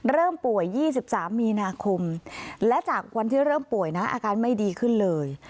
เริ่มป่วย๒๓มีนาคมและจากวันที่เริ่มป่วยนะอาการไม่ดีขึ้นเลย